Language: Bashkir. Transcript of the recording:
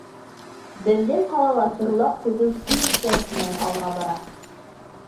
Беҙҙең ҡалала торлаҡ төҙөү киң темп менән алға бара.